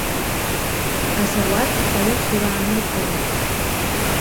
Азауад аусура ааныркылеит.